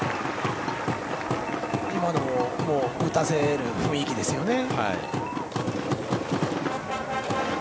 今のも打たせる雰囲気でしたよね。